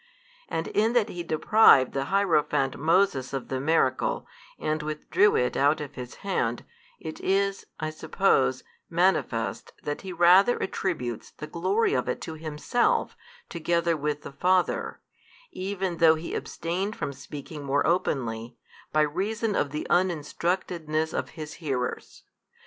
and in that He deprived the hierophant Moses of the miracle, and withdrew it out of his hand, it is (I suppose) manifest that He rather attributes the glory of it to Himself together with the Father, even though He abstained from speaking more openly, by reason of the uninstructedness of His hearers.